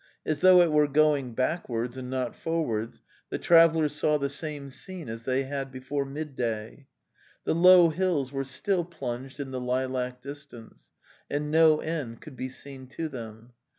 As though it were going backwards and not for ° wards, the travellers saw the same scene as they had before midday. The low hills were still plunged in the lilac dis tance, and no end could be seen to them.